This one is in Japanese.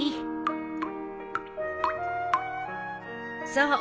そう。